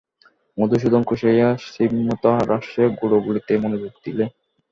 মধুসূদন খুশি হয়ে স্মিতহাস্যে গুড়গুড়িতে মনোযোগ দিলে।